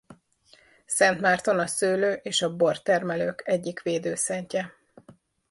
Szent Márton a szőlő és a bortermelők egyik védőszentje.